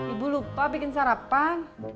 ibu lupa bikin sarapan